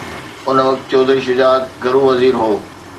ان وقت چوڌري شجاعت گهرو وزير هو.